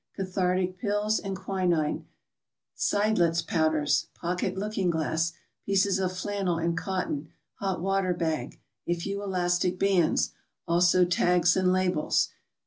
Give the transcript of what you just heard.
Cathartic pills and quinine. Seidlitz powders. Pocket looking glass. Pieces of flannel and cotton. Hot water bag. A few elastic bands; also tags and labels.